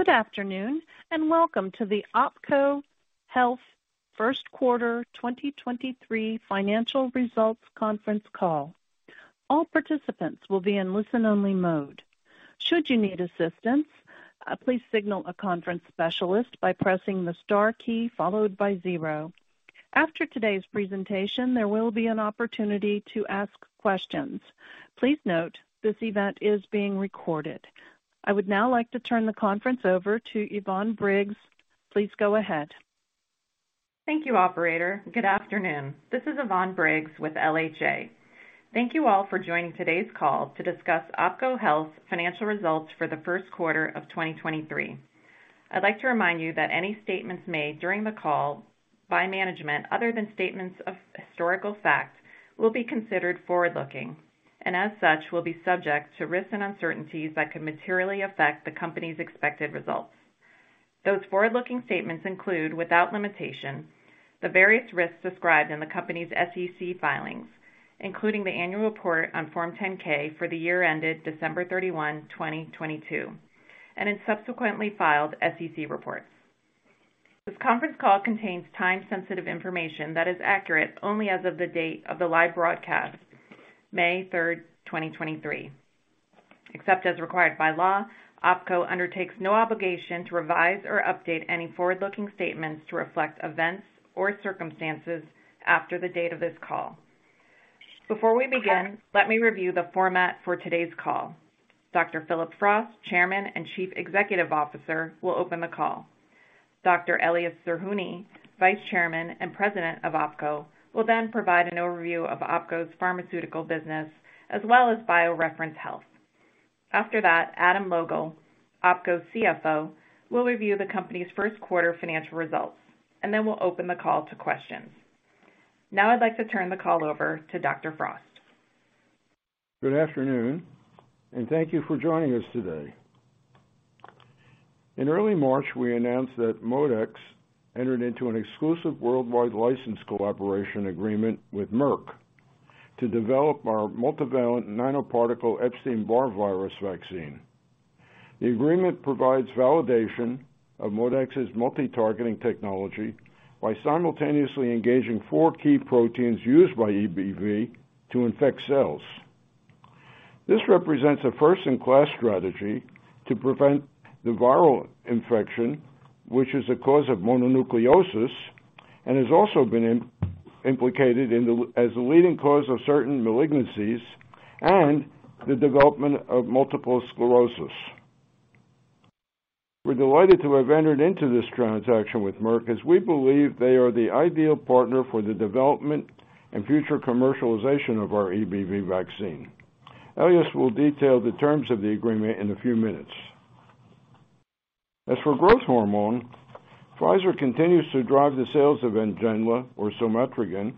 Good afternoon, welcome to the OPKO Health first quarter 2023 financial results conference call. All participants will be in listen-only mode. Should you need assistance, please signal a conference specialist by pressing the star key followed by zero. After today's presentation, there will be an opportunity to ask questions. Please note this event is being recorded. I would now like to turn the conference over to Yvonne Briggs. Please go ahead. Thank you, operator. Good afternoon. This is Yvonne Briggs with LHA. Thank you all for joining today's call to discuss OPKO Health financial results for the first quarter of 2023. I'd like to remind you that any statements made during the call by management, other than statements of historical fact, will be considered forward-looking, and as such will be subject to risks and uncertainties that could materially affect the company's expected results. Those forward-looking statements include, without limitation, the various risks described in the company's SEC filings, including the annual report on Form 10-K for the year ended December 31, 2022, and in subsequently filed SEC reports. This conference call contains time-sensitive information that is accurate only as of the date of the live broadcast, May 3rd, 2023. Except as required by law, OPKO undertakes no obligation to revise or update any forward-looking statements to reflect events or circumstances after the date of this call. Before we begin, let me review the format for today's call. Dr. Phillip Frost, Chairman and Chief Executive Officer, will open the call. Dr. Elias Zerhouni, Vice Chairman and President of OPKO, will provide an overview of OPKO's pharmaceutical business as well as BioReference Health. After that, Adam Logal, OPKO's CFO, will review the company's first quarter financial results. We'll open the call to questions. Now I'd like to turn the call over to Dr. Frost. Good afternoon. Thank you for joining us today. In early March, we announced that ModeX entered into an exclusive worldwide license collaboration agreement with Merck to develop our multivalent nanoparticle Epstein-Barr virus vaccine. The agreement provides validation of ModeX's multi-targeting technology by simultaneously engaging four key proteins used by EBV to infect cells. This represents a first-in-class strategy to prevent the viral infection, which is a cause of mononucleosis and has also been implicated in the as the leading cause of certain malignancies and the development of multiple sclerosis. We're delighted to have entered into this transaction with Merck as we believe they are the ideal partner for the development and future commercialization of our EBV vaccine. Elias will detail the terms of the agreement in a few minutes. As for growth hormone, Pfizer continues to drive the sales of NGENLA or somatrogon,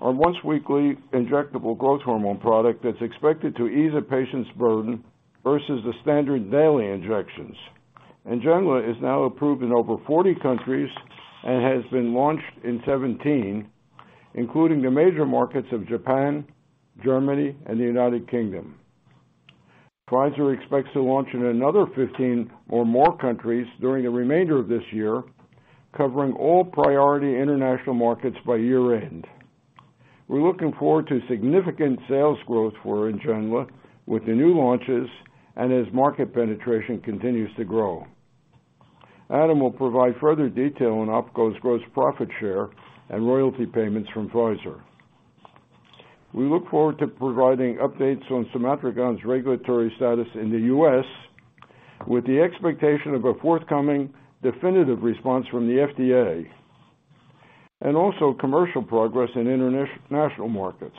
our once-weekly injectable growth hormone product that's expected to ease a patient's burden versus the standard daily injections. NGENLA is now approved in over 40 countries and has been launched in 17, including the major markets of Japan, Germany, and the United Kingdom. Pfizer expects to launch in another 15 or more countries during the remainder of this year, covering all priority international markets by year-end. We're looking forward to significant sales growth for NGENLA with the new launches and as market penetration continues to grow. Adam will provide further detail on OPKO's gross profit share and royalty payments from Pfizer. We look forward to providing updates on somatrogon's regulatory status in the U.S., with the expectation of a forthcoming definitive response from the FDA, and also commercial progress in international markets.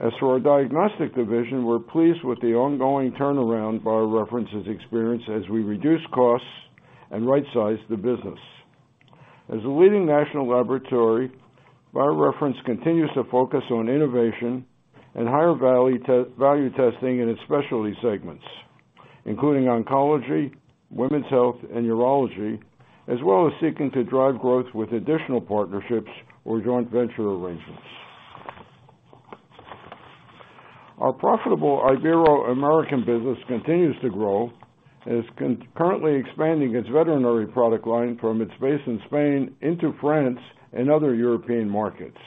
As for our diagnostic division, we're pleased with the ongoing turnaround BioReference has experienced as we reduce costs and rightsize the business. As a leading national laboratory, BioReference continues to focus on innovation and higher value testing in its specialty segments, including oncology, women's health, and urology, as well as seeking to drive growth with additional partnerships or joint venture arrangements. Our profitable Ibero-American business continues to grow and is currently expanding its veterinary product line from its base in Spain into France and other European markets.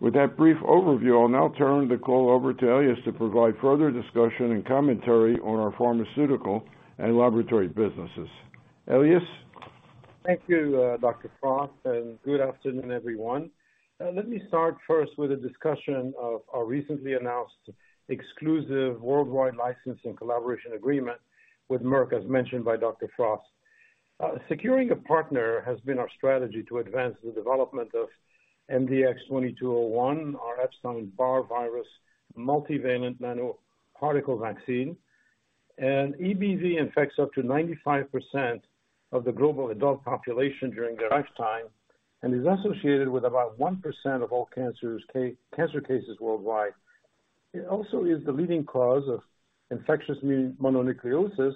With that brief overview, I'll now turn the call over to Elias to provide further discussion and commentary on our pharmaceutical and laboratory businesses. Elias? Thank you, Dr. Frost, good afternoon, everyone. Let me start first with a discussion of our recently announced exclusive worldwide licensing collaboration agreement with Merck, as mentioned by Dr. Frost. Securing a partner has been our strategy to advance the development of MDX-2201, our Epstein-Barr virus multivalent nanoparticle vaccine. EBV infects up to 95% of the global adult population during their lifetime and is associated with about 1% of all cancer cases worldwide. It also is the leading cause of infectious mononucleosis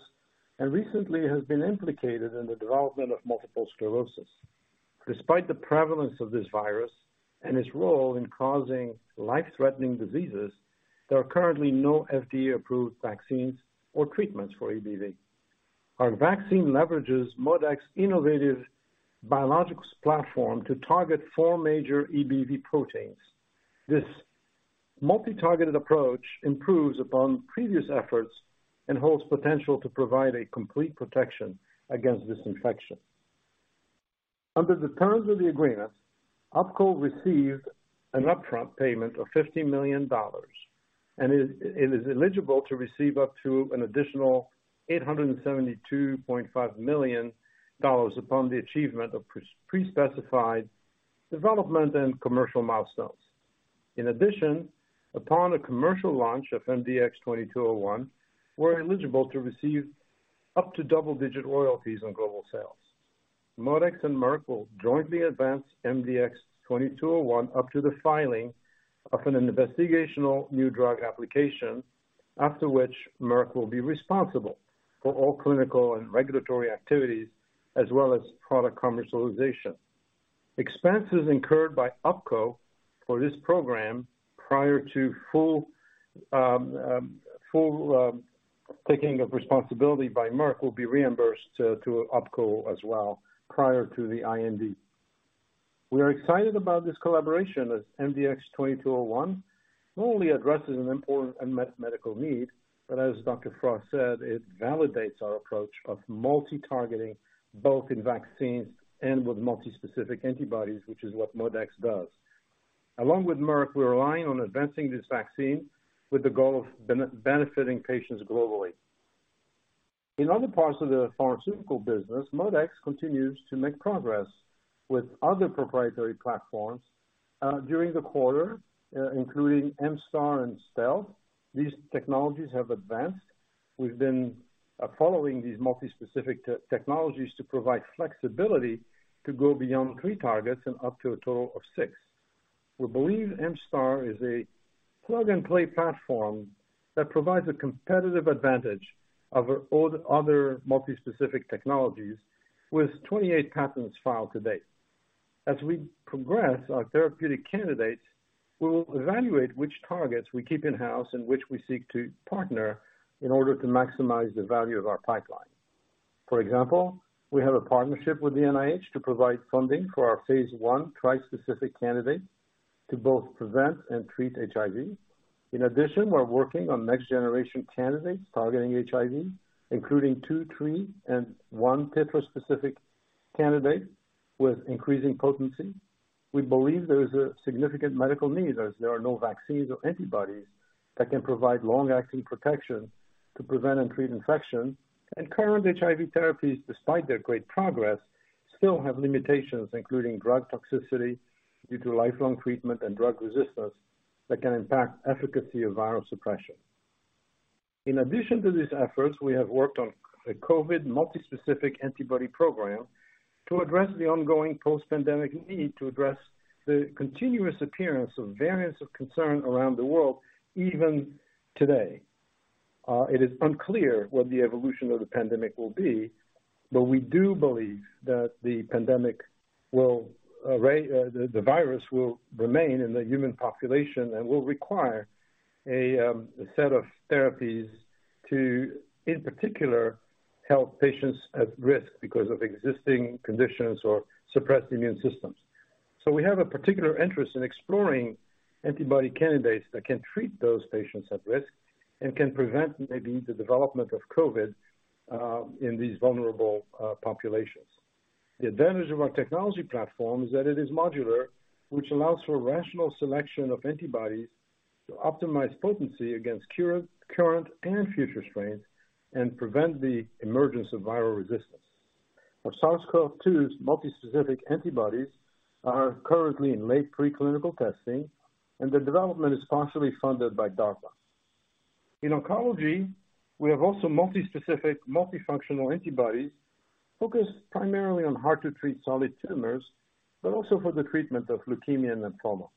and recently has been implicated in the development of multiple sclerosis. Despite the prevalence of this virus and its role in causing life-threatening diseases, there are currently no FDA-approved vaccines or treatments for EBV. Our vaccine leverages ModeX innovative biologics platform to target four major EBV proteins. This multi-targeted approach improves upon previous efforts and holds potential to provide a complete protection against this infection. Under the terms of the agreement, OPKO received an upfront payment of $50 million, and it is eligible to receive up to an additional $872.5 million upon the achievement of pre-specified development and commercial milestones. In addition, upon a commercial launch of MDX-2201, we're eligible to receive up to double-digit royalties on global sales. ModeX and Merck will jointly advance MDX-2201 up to the filing of an investigational new drug application, after which Merck will be responsible for all clinical and regulatory activities as well as product commercialization. Expenses incurred by OPKO for this program prior to full taking of responsibility by Merck will be reimbursed to OPKO as well prior to the IND. We are excited about this collaboration as MDX-2201 not only addresses an important unmet medical need, but as Dr. Frost said, it validates our approach of multi-targeting both in vaccines and with multi-specific antibodies, which is what ModeX does. Along with Merck, we're relying on advancing this vaccine with the goal of benefiting patients globally. In other parts of the pharmaceutical business, ModeX continues to make progress with other proprietary platforms during the quarter, including MSTAR and Stealth. These technologies have advanced. We've been following these multi-specific technologies to provide flexibility to go beyond three targets and up to a total of six. We believe MSTAR is a plug-and-play platform that provides a competitive advantage over other multi-specific technologies with 28 patents filed to date. As we progress our therapeutic candidates, we will evaluate which targets we keep in-house and which we seek to partner in order to maximize the value of our pipeline. For example, we have a partnership with the NIH to provide funding for our phase I tri-specific candidate to both prevent and treat HIV. In addition, we're working on next generation candidates targeting HIV, including two, three, and one tetra-specific candidate with increasing potency. We believe there is a significant medical need, as there are no vaccines or antibodies that can provide long-acting protection to prevent and treat infection. Current HIV therapies, despite their great progress, still have limitations, including drug toxicity due to lifelong treatment and drug resistance that can impact efficacy of viral suppression. In addition to these efforts, we have worked on a COVID multi-specific antibody program to address the ongoing post-pandemic need to address the continuous appearance of variants of concern around the world even today. It is unclear what the evolution of the pandemic will be, but we do believe that the virus will remain in the human population and will require a set of therapies to, in particular, help patients at risk because of existing conditions or suppressed immune systems. We have a particular interest in exploring antibody candidates that can treat those patients at risk and can prevent maybe the development of COVID in these vulnerable populations. The advantage of our technology platform is that it is modular, which allows for rational selection of antibodies to optimize potency against current and future strains and prevent the emergence of viral resistance. Our SARS-CoV-2 multi-specific antibodies are currently in late pre-clinical testing, and the development is partially funded by DARPA. In oncology, we have also multi-specific, multifunctional antibodies focused primarily on hard to treat solid tumors, but also for the treatment of leukemia and lymphoma.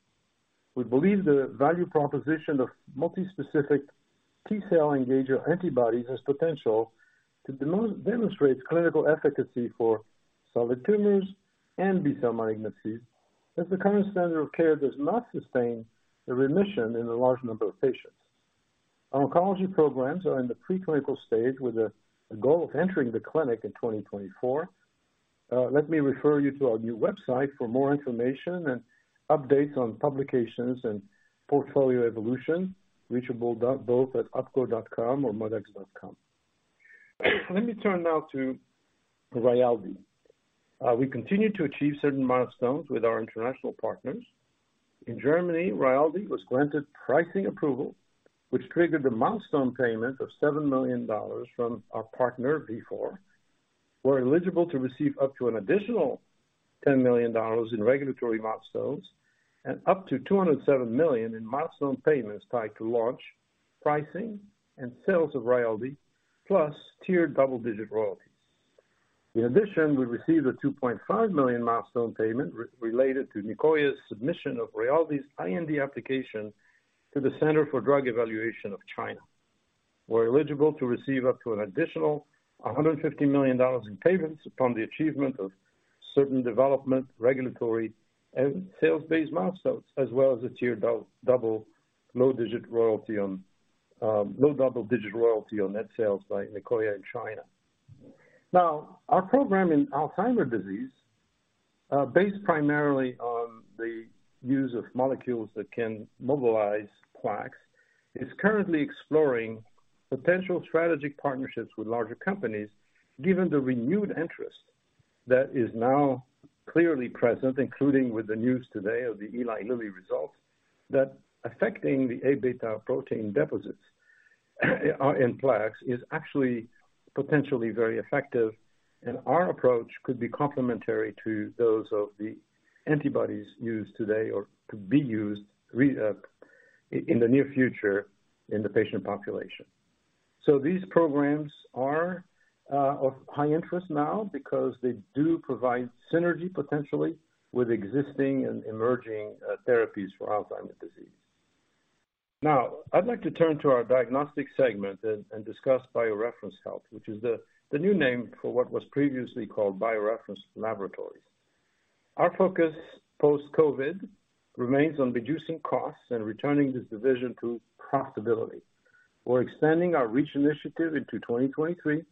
We believe the value proposition of multi-specific T-cell engager antibodies has potential to demonstrate clinical efficacy for solid tumors and B-cell malignancies, as the current standard of care does not sustain a remission in a large number of patients. Our oncology programs are in the pre-clinical stage with a goal of entering the clinic in 2024. Let me refer you to our new website for more information and updates on publications and portfolio evolution, reachable at opko.com or modextx.com. Let me turn now to Rayaldee. We continue to achieve certain milestones with our international partners. In Germany, Rayaldee was granted pricing approval, which triggered a milestone payment of $7 million from our partner, Vifor. We're eligible to receive up to an additional $10 million in regulatory milestones and up to $207 million in milestone payments tied to launch, pricing, and sales of Rayaldee, plus tiered double-digit royalties. In addition, we received a $2.5 million milestone payment related to Nicoya's submission of Rayaldee's IND application to the Center for Drug Evaluation. We're eligible to receive up to an additional $150 million in payments upon the achievement of certain development, regulatory, and sales-based milestones, as well as a low double-digit royalty on net sales by Nicoya in China. Our program in Alzheimer's disease, based primarily on the use of molecules that can mobilize plaques, is currently exploring potential strategic partnerships with larger companies, given the renewed interest that is now clearly present, including with the news today of the Eli Lilly results, that affecting the A-beta protein deposits in plaques is actually potentially very effective, and our approach could be complementary to those of the antibodies used today or could be used in the near future in the patient population. These programs are of high interest now because they do provide synergy potentially with existing and emerging therapies for Alzheimer's disease. I'd like to turn to our diagnostic segment and discuss BioReference Health, which is the new name for what was previously called BioReference Laboratories. Our focus post-COVID remains on reducing costs and returning this division to profitability. We're expanding our REACH initiative into 2023,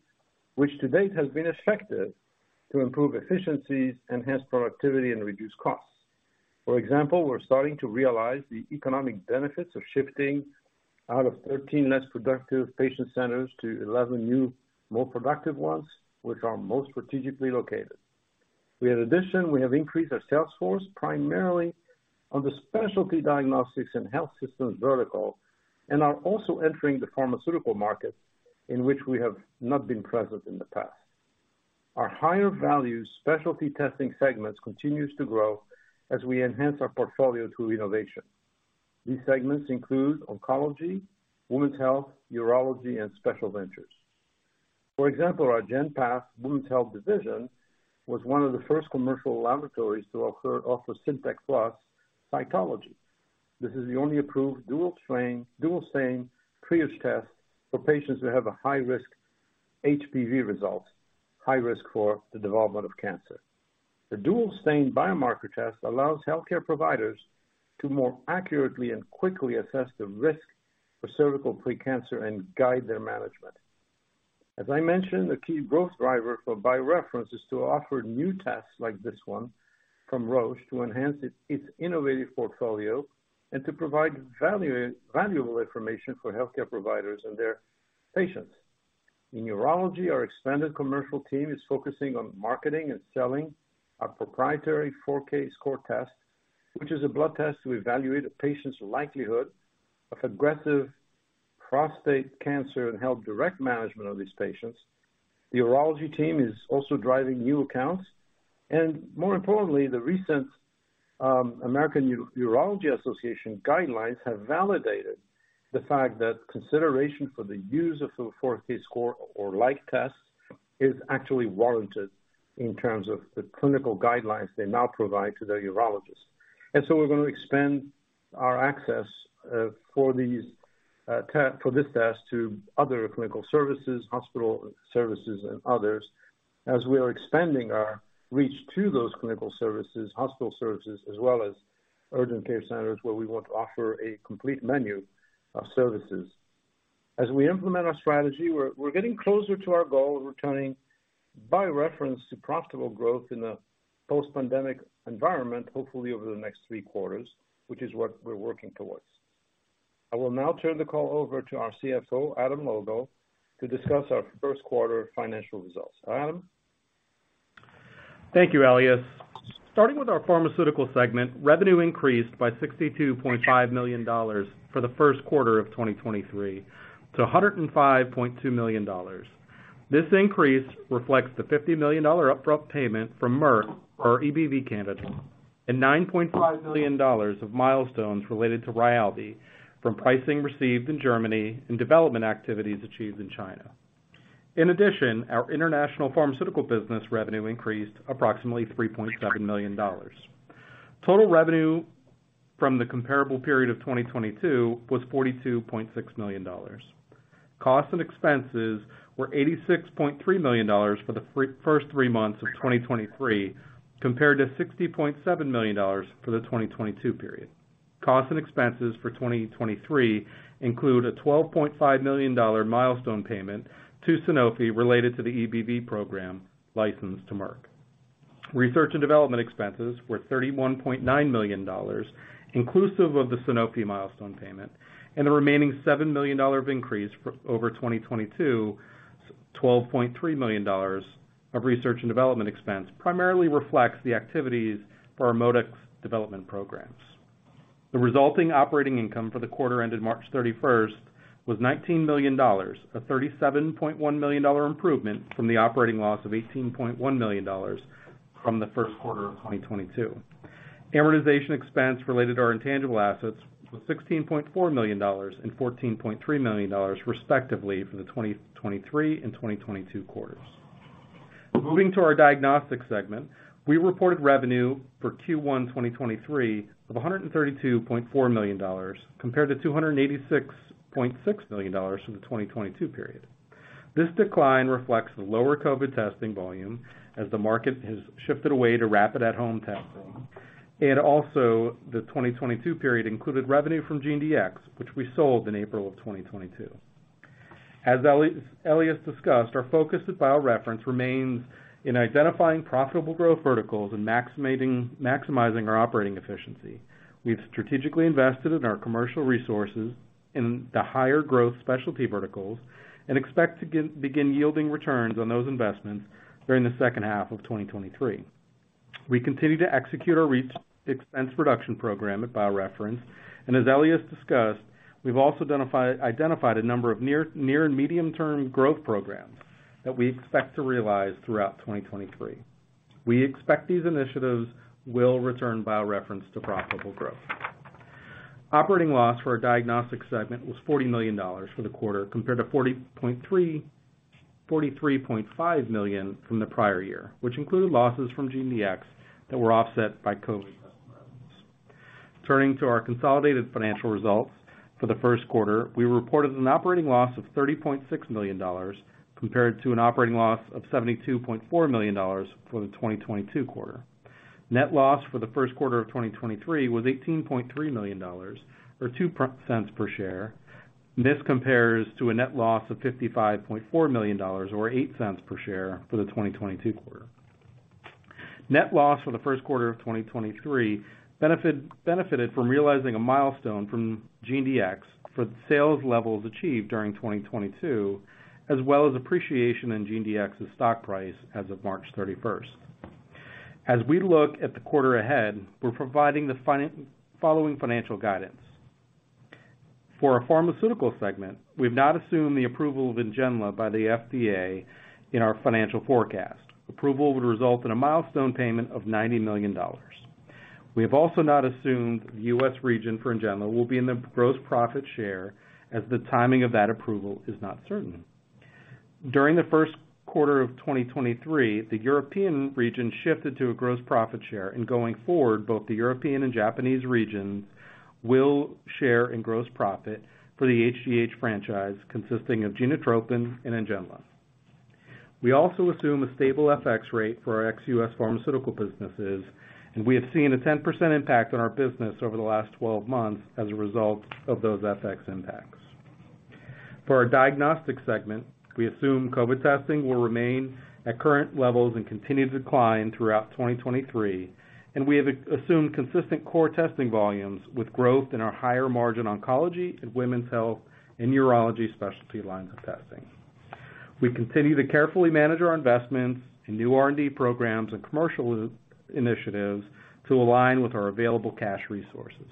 which to date has been effective to improve efficiencies, enhance productivity, and reduce costs. For example, we're starting to realize the economic benefits of shifting out of 13 less productive patient centers to 11 new, more productive ones, which are most strategically located. We have increased our sales force primarily on the specialty diagnostics and health systems vertical, and are also entering the pharmaceutical market, in which we have not been present in the past. Our higher values specialty testing segments continues to grow as we enhance our portfolio through innovation. These segments include oncology, women's health, urology, and special ventures. For example, our GenPath Women's Health division was one of the first commercial laboratories to offer CINtec PLUS cytology. This is the only approved dual stain triage test for patients who have a high risk HPV results, high risk for the development of cancer. The dual stain biomarker test allows healthcare providers to more accurately and quickly assess the risk for cervical pre-cancer and guide their management. As I mentioned, a key growth driver for BioReference is to offer new tests like this one from Roche to enhance its innovative portfolio and to provide valuable information for healthcare providers and their patients. In urology, our expanded commercial team is focusing on marketing and selling our proprietary 4Kscore test, which is a blood test to evaluate a patient's likelihood of aggressive prostate cancer and help direct management of these patients. The urology team is also driving new accounts. More importantly, the recent American Urological Association guidelines have validated the fact that consideration for the use of the 4Kscore or like tests is actually warranted in terms of the clinical guidelines they now provide to their urologists. We're gonna expand our access for these for this test to other clinical services, hospital services, and others as we are expanding our reach to those clinical services, hospital services, as well as urgent care centers where we want to offer a complete menu of services. As we implement our strategy, we're getting closer to our goal of returning BioReference to profitable growth in a post-pandemic environment, hopefully over the next three quarters, which is what we're working towards. I will now turn the call over to our CFO, Adam Logal, to discuss our first quarter financial results. Adam? Thank you, Elias. Starting with our Pharmaceutical segment, revenue increased by $62.5 million for the first quarter of 2023 to $105.2 million. This increase reflects the $50 million upfront payment from Merck for our EBV candidate and $9.5 million of milestones related to Rayaldee from pricing received in Germany and development activities achieved in China. In addition, our international pharmaceutical business revenue increased approximately $3.7 million. Total revenue from the comparable period of 2022 was $42.6 million. Costs and expenses were $86.3 million for the first three months of 2023, compared to $60.7 million for the 2022 period. Costs and expenses for 2023 include a $12.5 million milestone payment to Sanofi related to the EBV program licensed to Merck. Research and development expenses were $31.9 million, inclusive of the Sanofi milestone payment, the remaining $7 million increase over 2022, $12.3 million of research and development expense primarily reflects the activities for our ModeX development programs. The resulting operating income for the quarter ended March 31st was $19 million, a $37.1 million improvement from the operating loss of $18.1 million from the first quarter of 2022. Amortization expense related to our intangible assets was $16.4 million and $14.3 million, respectively, for the 2023 and 2022 quarters. Moving to our Diagnostic segment, we reported revenue for Q1 2023 of $132.4 million compared to $286.6 million from the 2022 period. This decline reflects the lower COVID testing volume as the market has shifted away to rapid at-home testing, and also the 2022 period included revenue from GeneDx, which we sold in April of 2022. As Elias discussed, our focus at BioReference remains in identifying profitable growth verticals and maximizing our operating efficiency. We've strategically invested in our commercial resources in the higher growth specialty verticals and expect to begin yielding returns on those investments during the second half of 2023. We continue to execute our expense reduction program at BioReference. As Elias discussed, we've also identified a number of near and medium-term growth programs that we expect to realize throughout 2023. We expect these initiatives will return BioReference to profitable growth. Operating loss for our Diagnostic segment was $40 million for the quarter, compared to $43.5 million from the prior year, which included losses from GeneDx that were offset by COVID test revenues. Turning to our consolidated financial results for the first quarter, we reported an operating loss of $30.6 million compared to an operating loss of $72.4 million for the 2022 quarter. Net loss for the first quarter of 2023 was $18.3 million or $0.02 per share. This compares to a net loss of $55.4 million or $0.08 per share for the 2022 quarter. Net loss for the first quarter of 2023 benefited from realizing a milestone from GeneDx for sales levels achieved during 2022, as well as appreciation in GeneDx's stock price as of March 31st. As we look at the quarter ahead, we're providing the following financial guidance. For our Pharmaceutical segment, we've not assumed the approval of NGENLA by the FDA in our financial forecast. Approval would result in a milestone payment of $90 million. We have also not assumed the U.S. region for NGENLA will be in the gross profit share as the timing of that approval is not certain. During the first quarter of 2023, the European region shifted to a gross profit share. Going forward, both the European and Japanese regions will share in gross profit for the HDH franchise, consisting of GENOTROPIN and NGENLA. We also assume a stable FX rate for our ex-U.S. pharmaceutical businesses. We have seen a 10% impact on our business over the last 12 months as a result of those FX impacts. For our Diagnostics segment, we assume COVID testing will remain at current levels and continue to decline throughout 2023. We have assumed consistent core testing volumes with growth in our higher margin oncology and women's health and urology specialty lines of testing. We continue to carefully manage our investments in new R&D programs and commercial initiatives to align with our available cash resources.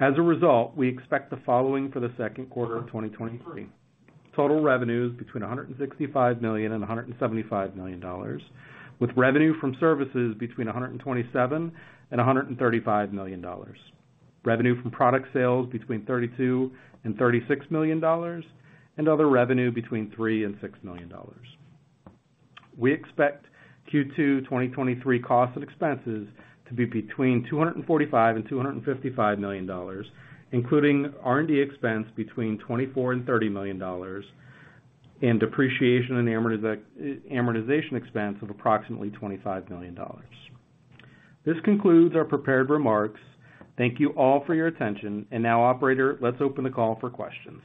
As a result, we expect the following for the second quarter of 2023. Total revenues between $165 million and $175 million, with revenue from services between $127 million and $135 million. Revenue from product sales between $32 million and $36 million, and other revenue between $3 million and $6 million. We expect Q2 2023 costs and expenses to be between $245 million and $255 million, including R&D expense between $24 million and $30 million and depreciation and amortization expense of approximately $25 million. This concludes our prepared remarks. Thank you all for your attention. Now, operator, let's open the call for questions.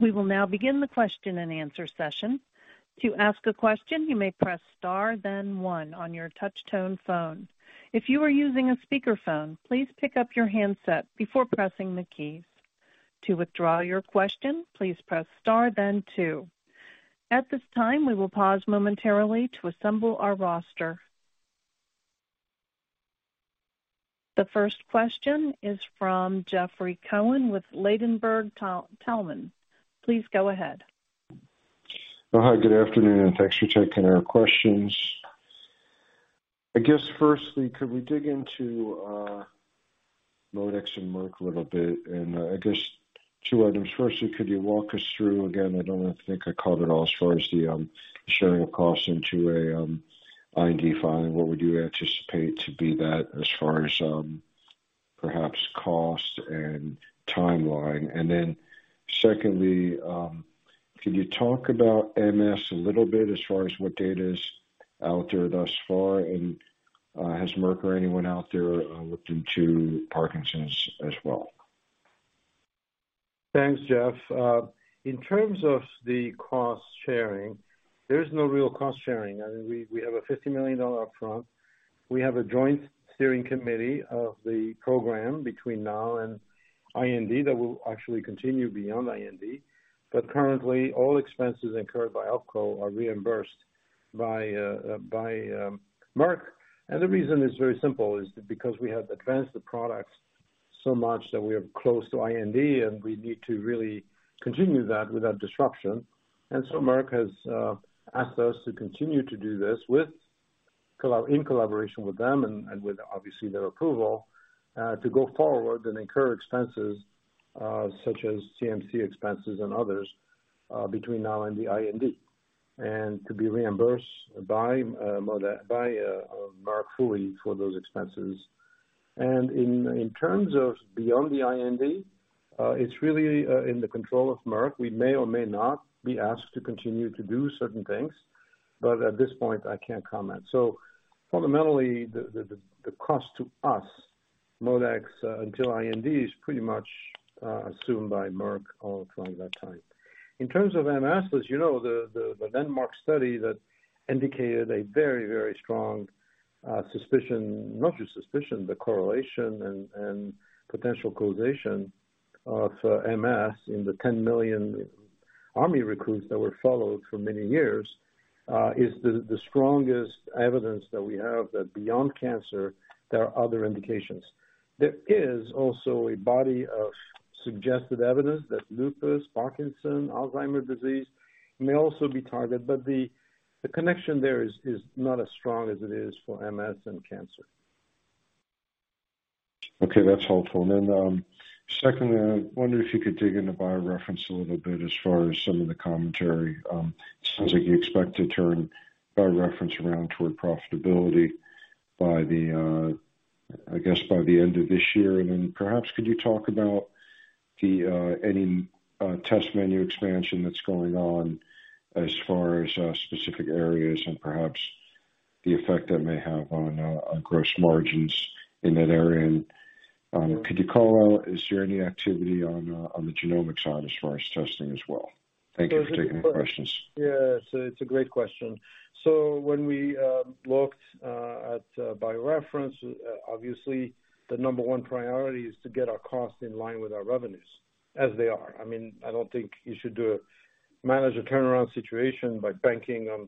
We will now begin the question-and-answer session. To ask a question, you may press star then one on your touch tone phone. If you are using a speakerphone, please pick up your handset before pressing the keys. To withdraw your question, please press star then two. At this time, we will pause momentarily to assemble our roster. The first question is from Jeffrey Cohen with Ladenburg Thalmann. Please go ahead. Oh, hi, good afternoon, and thanks for taking our questions. I guess firstly, could we dig into ModeX and Merck a little bit? I guess two items. Firstly, could you walk us through again, I don't think I caught it all as far as the sharing of costs into a IND filing. What would you anticipate to be that as far as perhaps cost and timeline? Secondly, can you talk about MS a little bit as far as what data is out there thus far? Has Merck or anyone out there looked into Parkinson's as well? Thanks, Jeff. In terms of the cost sharing, there is no real cost sharing. I mean, we have a $50 million upfront. We have a joint steering committee of the program between now and IND that will actually continue beyond IND. Currently, all expenses incurred by OPKO are reimbursed by Merck. The reason is very simple, is because we have advanced the product so much that we are close to IND, and we need to really continue that without disruption. Merck has asked us to continue to do this. In collaboration with them and with obviously their approval, to go forward and incur expenses, such as CMC expenses and others, between now and the IND, and to be reimbursed by Merck fully for those expenses. In terms of beyond the IND, it's really in the control of Merck. We may or may not be asked to continue to do certain things, but at this point I can't comment. Fundamentally the cost to us, ModeX, until IND is pretty much assumed by Merck all through that time. In terms of MS, as you know, the landmark study that indicated a very strong suspicion, not just suspicion, but correlation and potential causation of MS in the 10 million army recruits that were followed for many years, is the strongest evidence that we have that beyond cancer, there are other indications. There is also a body of suggested evidence that lupus, Parkinson's disease, Alzheimer's disease may also be targeted, but the connection there is not as strong as it is for MS and cancer. Okay. That's helpful. Secondly, I wonder if you could dig into BioReference a little bit as far as some of the commentary. It sounds like you expect to turn BioReference around toward profitability by the I guess by the end of this year. Perhaps could you talk about the any test menu expansion that's going on as far as specific areas and perhaps the effect that may have on gross margins in that area? Could you call out, is there any activity on the genomic side as far as testing as well? Thank you for taking the questions. Yes. It's a great question. When we looked at BioReference, obviously the number one priority is to get our costs in line with our revenues as they are. I mean, I don't think you should manage a turnaround situation by banking on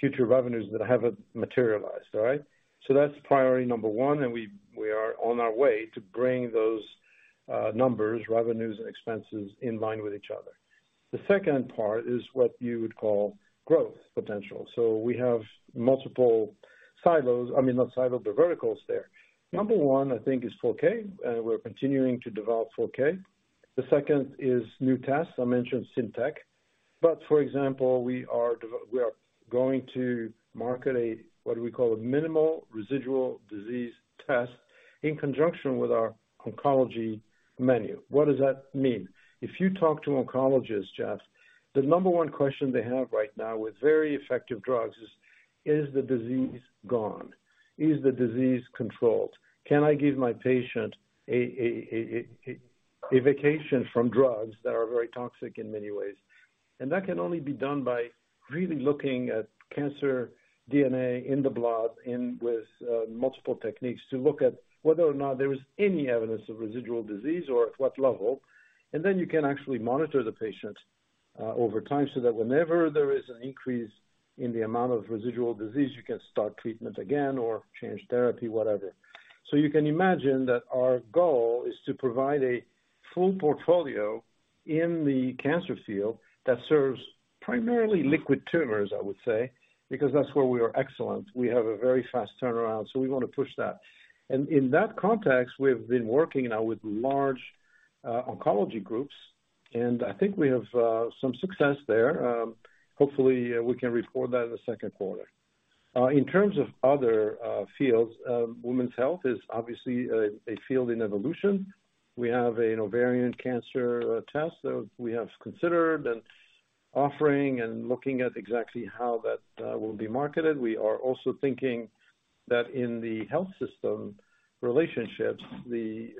future revenues that haven't materialized, all right? That's priority Number 1, and we are on our way to bring those numbers, revenues, and expenses in line with each other. The second part is what you would call growth potential. We have multiple silos, I mean, not silos, but verticals there. Number 1, I think is 4K, and we're continuing to develop 4K. The second is new tests. I mentioned CINtec. For example, we are going to market a, what we call, a minimal residual disease test in conjunction with our oncology menu. What does that mean? If you talk to oncologists, Jeff, the number one question they have right now with very effective drugs is the disease gone? Is the disease controlled? Can I give my patient a vacation from drugs that are very toxic in many ways? That can only be done by really looking at cancer DNA in the blood and with multiple techniques to look at whether or not there is any evidence of residual disease or at what level. You can actually monitor the patient over time, so that whenever there is an increase in the amount of residual disease, you can start treatment again or change therapy, whatever. You can imagine that our goal is to provide a full portfolio in the cancer field that serves primarily liquid tumors, I would say, because that's where we are excellent. We have a very fast turnaround, so we wanna push that. In that context, we've been working now with large oncology groups, and I think we have some success there. Hopefully, we can report that in the second quarter. In terms of other fields, women's health is obviously a field in evolution. We have an ovarian cancer test that we have considered and offering and looking at exactly how that will be marketed. We are also thinking that in the health system relationships, the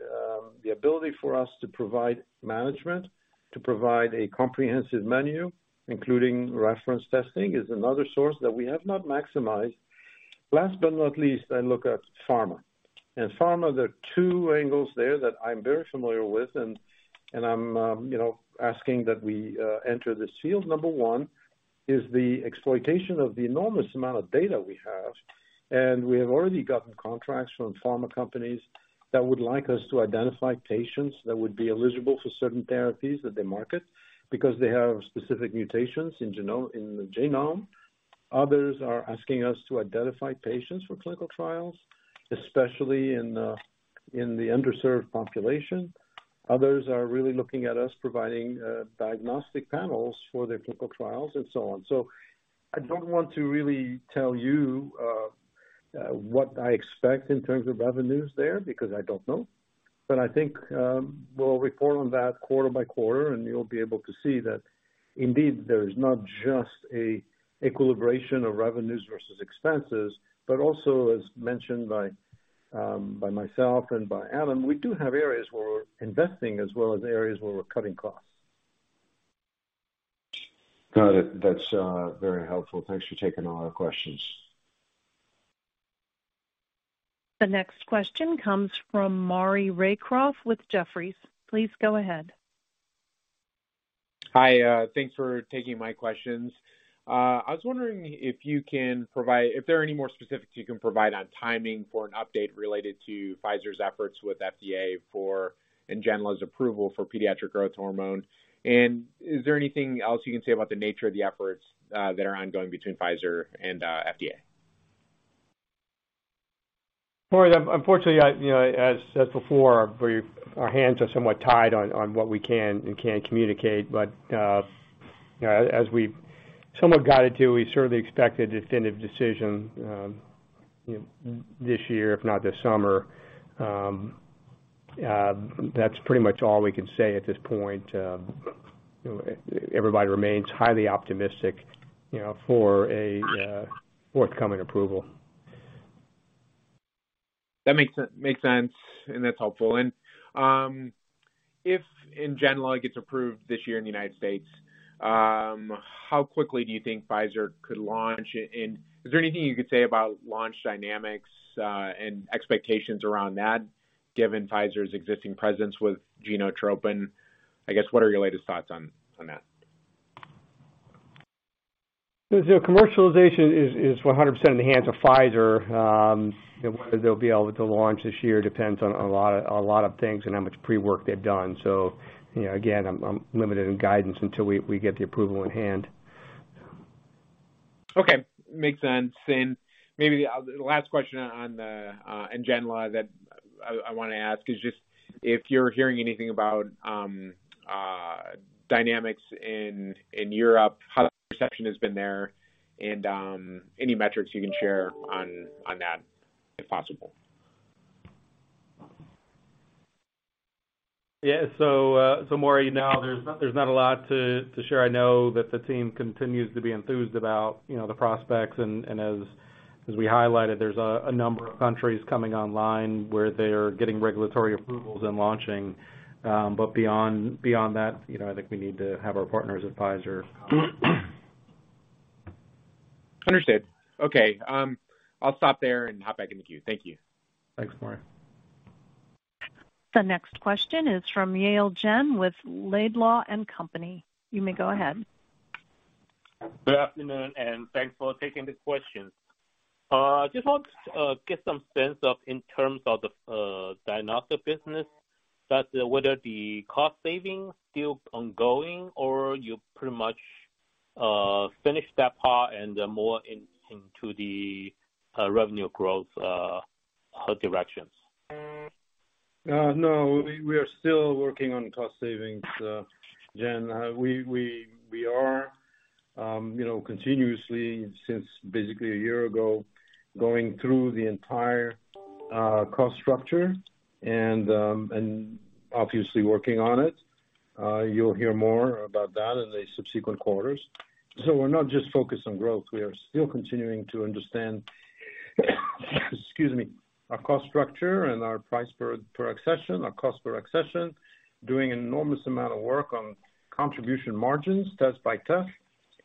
ability for us to provide management, to provide a comprehensive menu, including reference testing, is another source that we have not maximized. Last but not least, I look at pharma. In pharma, there are two angles there that I'm very familiar with and I'm, you know, asking that we enter this field. Number 1 is the exploitation of the enormous amount of data we have, and we have already gotten contracts from pharma companies that would like us to identify patients that would be eligible for certain therapies that they market because they have specific mutations in the genome. Others are asking us to identify patients for clinical trials, especially in the underserved population. Others are really looking at us providing diagnostic panels for their clinical trials and so on. I don't want to really tell you what I expect in terms of revenues there because I don't know. I think, we'll report on that quarter-by-quarter and you'll be able to see that indeed there is not just a equilibration of revenues versus expenses, but also as mentioned by myself and by Alan, we do have areas where we're investing as well as areas where we're cutting costs. Got it. That's very helpful. Thanks for taking all the questions. The next question comes from Maury Raycroft with Jefferies. Please go ahead. Hi. Thanks for taking my questions. I was wondering if you can provide if there are any more specifics you can provide on timing for an update related to Pfizer's efforts with FDA for NGENLA's approval for pediatric growth hormone. Is there anything else you can say about the nature of the efforts that are ongoing between Pfizer and FDA? Maury, unfortunately, I, you know, as said before, our hands are somewhat tied on what we can and can't communicate. you know, as we've somewhat guided to, we certainly expect a definitive decision, this year, if not this summer. That's pretty much all we can say at this point. you know, everybody remains highly optimistic, you know, for a forthcoming approval. That makes sense, and that's helpful. If NGENLA gets approved this year in the United States, how quickly do you think Pfizer could launch? Is there anything you could say about launch dynamics and expectations around that, given Pfizer's existing presence with GENOTROPIN? I guess, what are your latest thoughts on that? The commercialization is 100% in the hands of Pfizer. You know, whether they'll be able to launch this year depends on a lot of things and how much pre-work they've done. You know, again, I'm limited in guidance until we get the approval in hand. Okay. Makes sense. Maybe I'll the last question on the NGENLA that I wanna ask is just if you're hearing anything about dynamics in Europe, how the perception has been there, and any metrics you can share on that, if possible. Yeah. Maury, now there's not a lot to share. I know that the team continues to be enthused about, you know, the prospects. As we highlighted, there's a number of countries coming online where they are getting regulatory approvals and launching. Beyond that, you know, I think we need to have our partners at Pfizer comment. Understood. Okay, I'll stop there and hop back in the queue. Thank you. Thanks, Maury. The next question is from Yale Jen with Laidlaw & Company. You may go ahead. Good afternoon. Thanks for taking the questions. Just want to get some sense of in terms of the diagnostic business, that whether the cost savings still ongoing or you pretty much finish that part and more into the revenue growth directions? No, we are still working on cost savings, Jen. We are, you know, continuously since basically a year ago, going through the entire cost structure and obviously working on it. You'll hear more about that in the subsequent quarters. We're not just focused on growth. We are still continuing to understand, excuse me, our cost structure and our price per accession, our cost per accession, doing an enormous amount of work on contribution margins, test by test,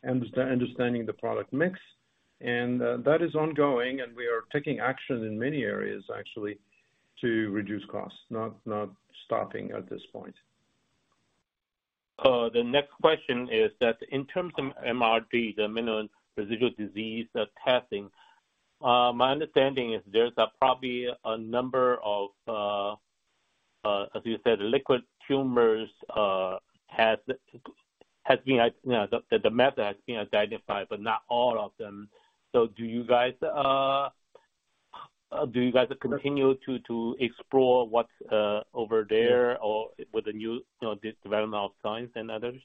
understanding the product mix. That is ongoing, and we are taking action in many areas, actually, to reduce costs, not stopping at this point. The next question is that in terms of MRD, the Minimum Residual Disease, testing, my understanding is there's a probably a number of, as you said, liquid tumors, has been you know, the method has been identified, but not all of them. Do you guys continue to explore what's over there or with the new, you know, this development of science and others?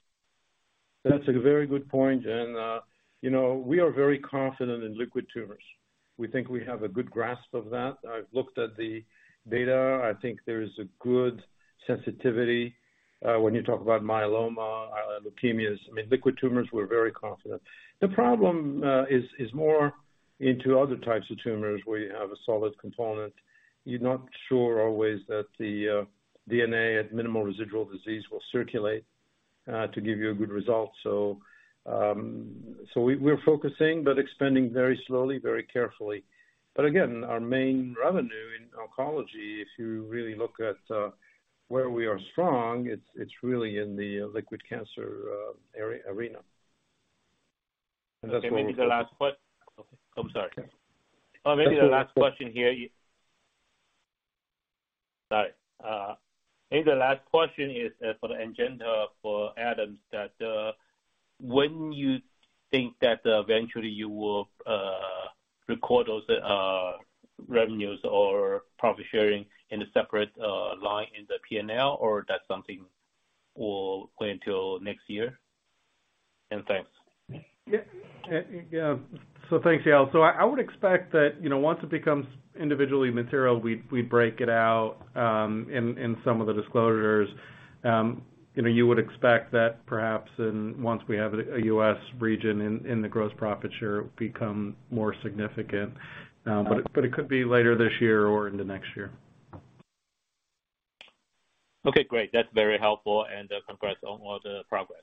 That's a very good point, Jen. You know, we are very confident in liquid tumors. We think we have a good grasp of that. I've looked at the data. I think there is a good sensitivity when you talk about myeloma, leukemias. I mean, liquid tumors, we're very confident. The problem is more into other types of tumors where you have a solid component. You're not sure always that the DNA at minimal residual disease will circulate to give you a good result. We're focusing but expanding very slowly, very carefully. Again, our main revenue in oncology, if you really look at where we are strong, it's really in the liquid cancer arena. Okay. Maybe the last que- Oh, sorry. That's okay. Maybe the last question here. Sorry. Maybe the last question is for the NGENLA for Adam, that when you think that eventually you will record those revenues or profit sharing in a separate line in the P&L, or that's something will wait until next year? Thanks. Yeah. Thanks, Yael. I would expect that, you know, once it becomes individually material, we'd break it out in some of the disclosures. You know, you would expect that perhaps once we have a U.S. region in the gross profit share become more significant. It could be later this year or into next year. Okay, great. That's very helpful. Congrats on all the progress.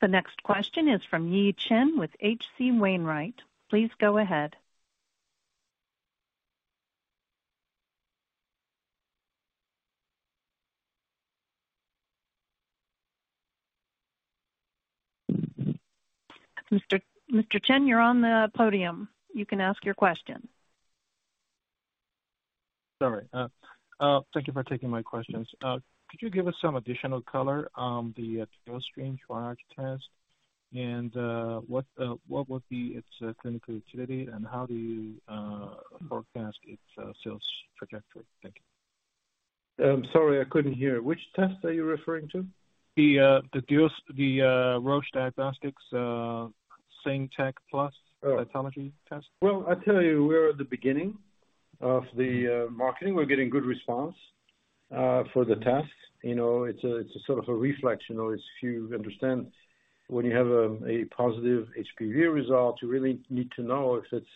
The next question is from Yi Chen with H.C. Wainwright. Please go ahead. Mr. Chen, you're on the podium. You can ask your question. Sorry. Thank you for taking my questions. Could you give us some additional color on the dual stain triage test and what would be its clinical activity and how do you forecast its sales trajectory? Thank you. Sorry, I couldn't hear. Which test are you referring to? The Roche Diagnostics, CINtec PLUS Cytology test. Well, I tell you, we're at the beginning of the marketing. We're getting good response for the test. You know, it's a sort of a reflex, you know. It's if you understand when you have a positive HPV result, you really need to know if it's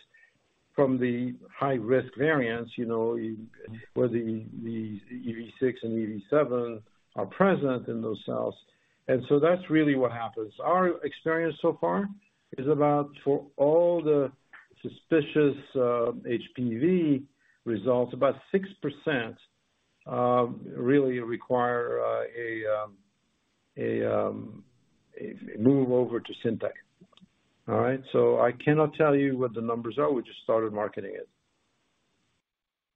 from the high-risk variants, you know, whether the EV6 and EV7 are present in those cells. That's really what happens. Our experience so far is about for all the suspicious HPV results, about 6%, really require a move over to CINtec PLUS. All right? I cannot tell you what the numbers are. We just started marketing it.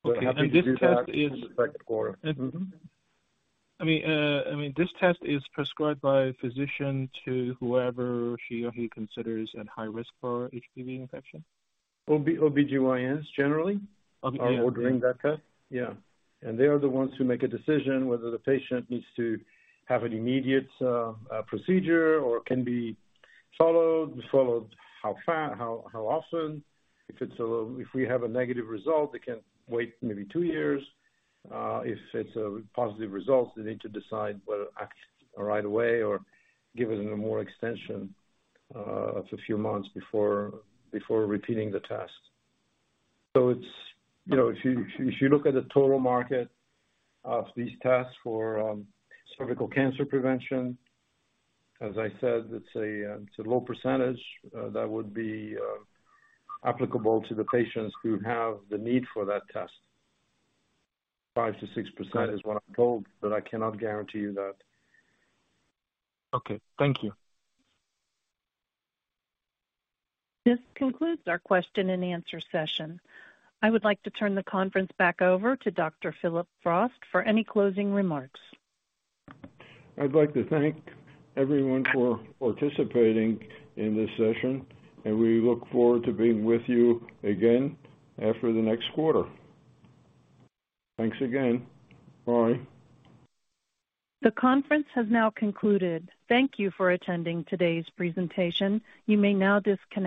Okay. This test is- Happy to do that in the second quarter. I mean, this test is prescribed by a physician to whoever she or he considers at high risk for HPV infection? OBGYNs generally... Okay. They are the ones who make a decision whether the patient needs to have an immediate procedure or can be followed how often. If we have a negative result, they can wait maybe two years. If it's a positive result, they need to decide whether to act right away or give it a more extension of a few months before repeating the test. It's, you know, if you look at the total market of these tests for cervical cancer prevention, as I said, it's a low percentage that would be applicable to the patients who have the need for that test. 5%-6% is what I'm told, but I cannot guarantee you that. Okay. Thank you. This concludes our question and answer session. I would like to turn the conference back over to Dr. Phillip Frost for any closing remarks. I'd like to thank everyone for participating in this session. We look forward to being with you again after the next quarter. Thanks again. Bye. The conference has now concluded. Thank you for attending today's presentation. You may now disconnect.